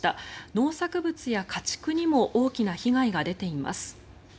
農作物や家畜にも大きな被害が出ています。